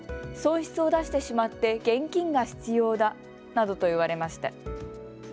損失を出してしまって現金が必要だなどと言われました。